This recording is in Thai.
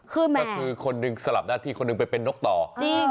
คือคนหนึ่งสลับหน้าที่คนหนึ่งไปเป็นนกต่อจริง